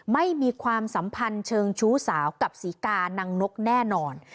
ไม่มีความสัมพันธ์เชิงชู้สาวกับศรีกานางนกแน่นอน